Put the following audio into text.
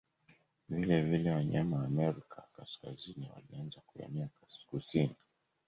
Vilevile wanyama wa Amerika Kaskazini walianza kuenea kusini.